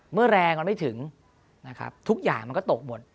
เมื่อแรงมันไม่ถึงนะครับทุกอย่างมันก็ตกหมด